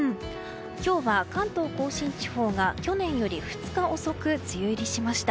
今日は関東・甲信地方が去年より２日遅く梅雨入りしました。